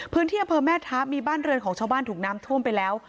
พื้นที่อะเพิร์แม่ถ้ามีบ้านเรือนของชาวบ้านถูกน้ำท่วมไปแล้ว